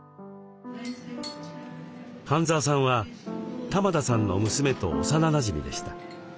半澤さんは玉田さんの娘と幼なじみでした。